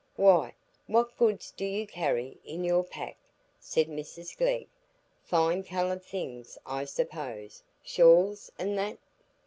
"Why, what goods do you carry in your pack?" said Mrs Glegg. "Fine coloured things, I suppose,—shawls an' that?"